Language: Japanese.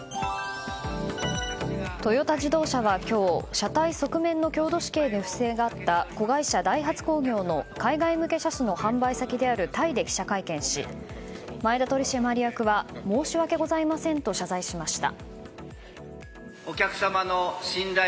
トヨタ自動車は今日車体側面の強度試験で不正があった子会社ダイハツ工業の海外向け車種の販売先であるタイで記者会見し前田取締役は申し訳ございませんと謝罪しました。